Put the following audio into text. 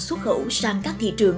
xuất khẩu sang các thị trường